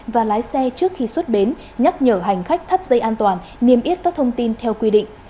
và lái xe trước khi xuất bến nhắc nhở hành khách thắt dây an toàn niêm yết các thông tin theo quy định